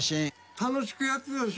楽しくやってたでしょ。